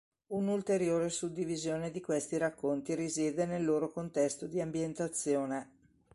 Un'ulteriore suddivisione di questi racconti risiede nel loro contesto di ambientazione.